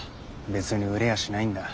別に売れやしないんだ。